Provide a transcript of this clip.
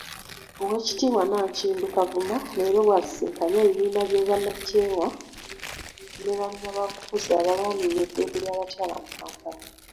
Oweekitibwa Nankindu Kavuma, leero bw'asisinkanye ebibiina by'obwannakyewa ne bannabyabufuzi abalwanirira eddembe ly'abakyala mu Kampala.